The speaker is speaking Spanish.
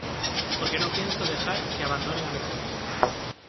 porque no pienso dejar que abandonen a mi gente.